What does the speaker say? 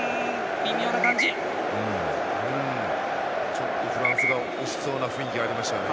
ちょっとフランスが押しそうな雰囲気がありましたね。